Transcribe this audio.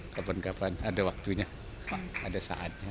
kapan kapan ada waktunya ada saatnya